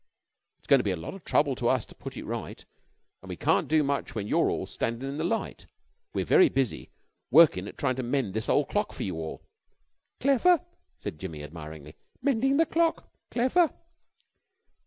It's goin' to be a lot of trouble to us to put it right, an' we can't do much when you're all standin' in the light. We're very busy workin' at tryin' to mend this ole clock for you all." "Clever," said Jimmy, admiringly. "Mendin' the clock. _Clever!